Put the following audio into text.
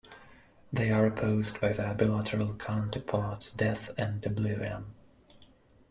They are opposed by their bilateral counterparts Death and Oblivion.